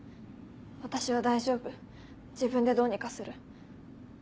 私は大丈夫自分でどうにかする。